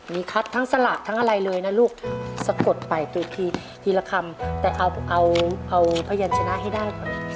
มีคัดทั้งสลากทั้งอะไรเลยนะลูกสะกดไปตัวทีละคำแต่เอาเอาพยานชนะให้ได้ก่อน